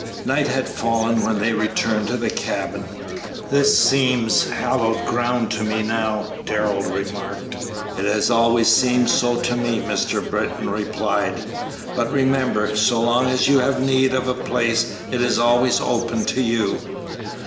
Night had fallen when they returned to the cabin. "This seems hallowed ground to me now," Darrell remarked. "It has always seemed so to me," Mr. Britton replied; "but remember, so long as you have need of the place it is always open to you."